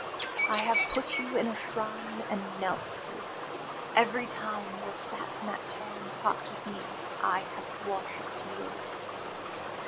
I have put you in a shrine and knelt to you; every time you have sat in that chair and talked with me, I have worshipped you."